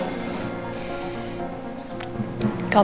tahan emosi kamu